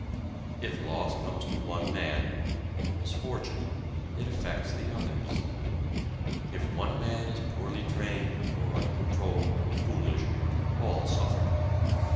If loss comes to one man, or misfortune, it affects the others. If one man is poorly trained, or uncontrolled, or foolish, all suffer.